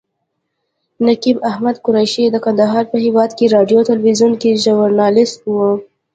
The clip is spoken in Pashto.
نقیب احمد قریشي د کندهار په هیواد راډیو تلویزیون کې ژورنالیست و.